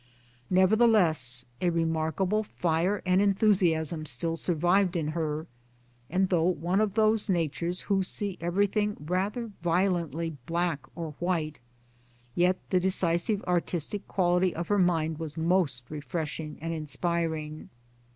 Nevertheless a remarkable fire and enthusiasm still survived in her, and though one of those natures who see everything rather violently black or white, yet the decisive artistic quality of her mind was most refreshing and inspiring.